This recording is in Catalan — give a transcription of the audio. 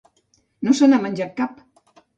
No se n'ha menjat cap